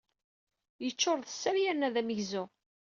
Yeččuṛ d sser yerna d amegzu.